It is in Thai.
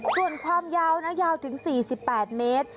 ส่วนความยาวนะยาวถึง๔๘เมตร